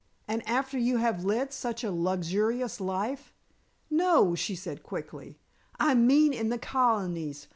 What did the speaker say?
"And after you have led such a luxurious life?" "No," she said quickly. "I mean in the Colonies.